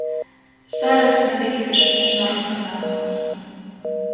Зараз медыкі пішуць міжнародную назву.